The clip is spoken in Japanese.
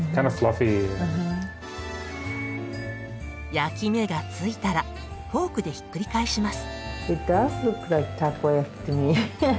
焼き目が付いたらフォークでひっくり返します。